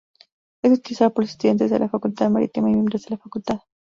Es utilizado por los estudiantes de la Facultad Marítima y miembros de la facultad.